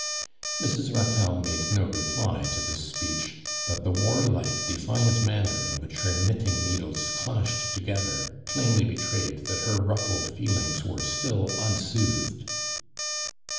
Mw. Ku telle made no reply to this speech, but the warlike, doHant miumer in which her knitt ing needles clashed together, jilainly he trayed that her rufHcd feelings wero^ still unsoothed.